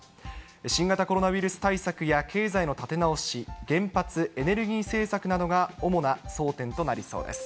新型コロナウイルス対策や経済の立て直し、原発、エネルギー政策などが主な争点となりそうです。